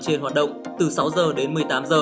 trên hoạt động từ sáu h đến một mươi tám h